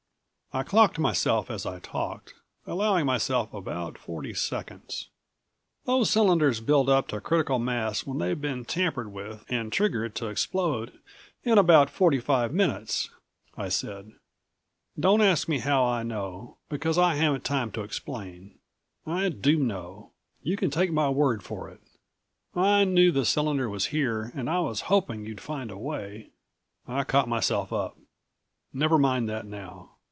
I clocked myself as I talked, allowing myself about forty seconds. "Those cylinders build up to critical mass when they've been tampered with and triggered to explode in about forty five minutes," I said. "Don't ask me how I know, because I haven't time to explain. I do know you can take my word for it. I knew the cylinder was here, and I was hoping you'd find a way " I caught myself up. "Never mind that now.